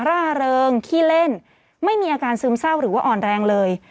ร่าเริงขี้เล่นไม่มีอาการซึมเศร้าหรือว่าอ่อนแรงเลย